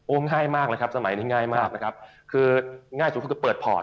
ง่ายมากเลยครับสมัยนี้ง่ายมากนะครับคือง่ายสุดก็คือเปิดพอร์ต